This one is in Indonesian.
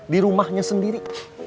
di rumahnya sendiri